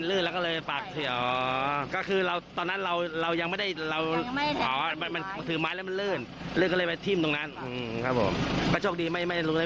อืมเนี่ยค่ะก็เห็นแล้ววัดเสี่ยวนะคะ